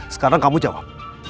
sekarang kamu jawab